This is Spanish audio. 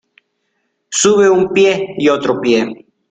sube un pie y otro pie.